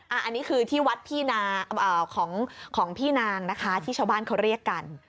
อันนี้คือที่วัดพี่ของพี่นางนะคะที่ชาวบ้านเขาเรียกกัน